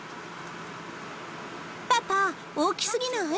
パパ、大きすぎない？